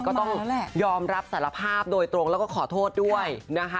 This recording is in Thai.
ก็ต้องยอมรับสารภาพโดยตรงแล้วก็ขอโทษด้วยนะคะ